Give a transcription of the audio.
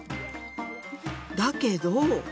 だけど。